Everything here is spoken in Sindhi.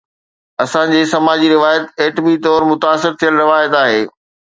اسان جي سماجي روايت ايٽمي طور متاثر ٿيل روايت آهي.